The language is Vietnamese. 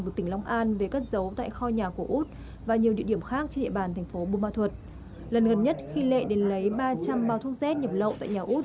từ tỉnh long an về các dấu tại kho nhà của út